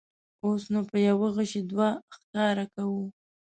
اوس نو په یوه غیشي دوه ښکاره کوو.